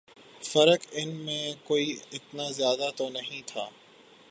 فرق ان میں کوئی اتنا زیادہ تو نہیں تھا